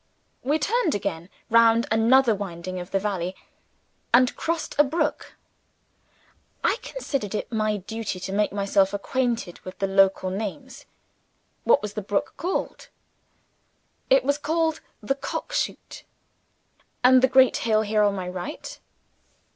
We turned again, round another winding of the valley, and crossed a brook. I considered it my duty to make myself acquainted with the local names. What was the brook called? It was called "The Cockshoot"! And the great hill, here, on my right?